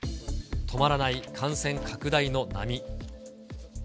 止まらない感染拡大の波。